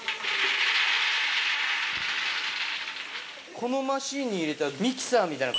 このマシンに入れたらミキサーみたいな感じで？